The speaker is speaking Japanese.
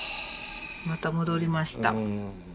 また戻りました。